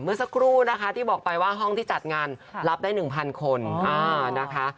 เมื่อสักครู่นะคะที่บอกไปว่าห้องที่จัดงานรับได้๑๐๐คนนะคะ